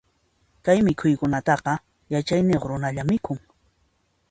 Kay mikhuykunataqa, yachayniyuq runalla mikhun.